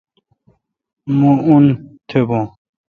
مہ اون تھبون۔